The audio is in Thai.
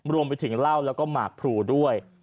รวมไปถึงเหล้าแล้วก็หมากพลูด้วย